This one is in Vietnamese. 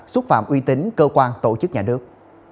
xúc phạm uy tín cơ quan tổ chức nhà nước